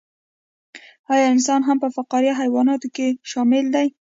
ایا انسان هم په فقاریه حیواناتو کې شامل دی